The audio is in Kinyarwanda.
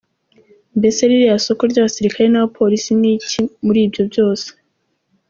Mbese ririya soko ry’abasirikare n’abapolisi ni iki muri ibyo byose?